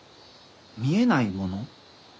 見えないもの？